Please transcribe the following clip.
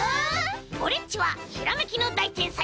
オレっちはひらめきのだいてんさい！